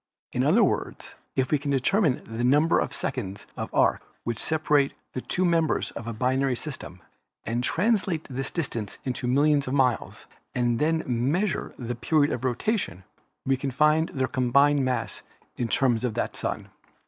In other words, if we can determine the number of seconds of arc which separate the two members of a binary system and translate this distance into millions of miles and then measure the period of rotation, we can find their combined mass in terms of that of the Sun.